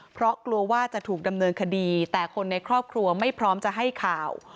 เพราะกลัวว่าจะถูกดำเนินคดีแต่คนในครอบครัวไม่พร้อมจะให้ข่าว